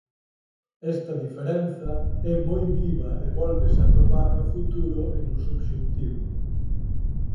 Esta diferenza é moi viva e vólvese atopar no futuro e no subxuntivo.